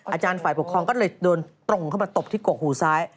อาจารย์ฝ่ายปกครองก็เลยโดนตรงเข้ามาตบที่กกหูซ้าย